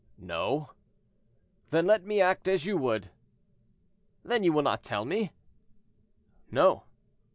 "No." "Then let me act as you would." "Then you will not tell me?" "No."